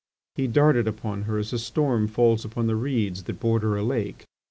He darted upon her as a storm falls upon the reeds that border a lake.